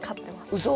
うそ！